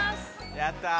◆やったー。